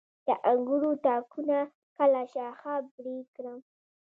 د انګورو تاکونه کله شاخه بري کړم؟